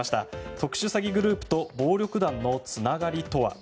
特殊詐欺グループと暴力団のつながりとは。